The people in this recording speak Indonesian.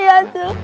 ya tuhan ya allah